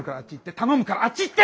頼むからあっち行って！